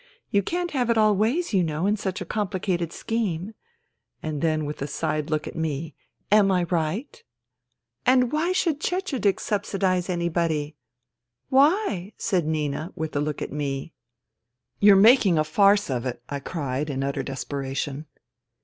You can't have it all ways, you know, in such a complicated scheme." THE THREE SISTERS 71 And then with a side look at me, " Am I right ?"" And why should Cecedek subsidize anybody ?'*" Why ?" said Nina, with a look at me. " You're making a farce of it !'* I cried in utter desperation.